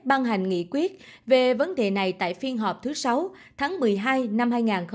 băng hành nghị quyết về vấn đề này tại phiên họp thứ sáu tháng một mươi hai năm hai nghìn một mươi chín